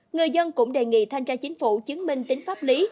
người dân cũng đề nghị thanh tra chính phủ chứng minh tính pháp lý